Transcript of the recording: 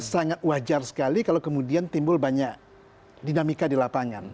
sangat wajar sekali kalau kemudian timbul banyak dinamika di lapangan